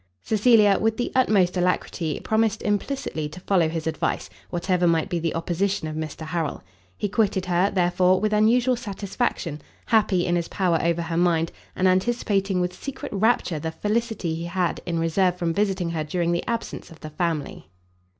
Cecilia, with the utmost alacrity, promised implicitly to follow his advice, whatever might be the opposition of Mr Harrel. He quitted her, therefore, with unusual satisfaction, happy in his power over her mind, and anticipating with secret rapture the felicity he had in reserve from visiting her during the absence of the family.